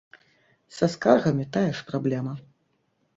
Са скаргамі тая ж праблема.